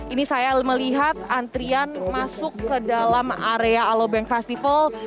ini saya melihat antrian masuk ke dalam area alobank festival